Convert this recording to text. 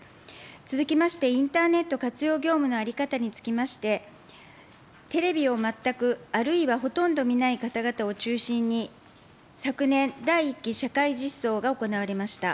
続きまして、インターネット活用業務の在り方につきまして、テレビを全く、あるいはほとんど見ない方々を中心に、昨年、第１期社会実証が行われました。